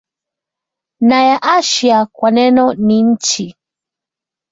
na ya Asia Kwa eneo ni nchi